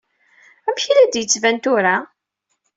Amek i la d-yettban tura?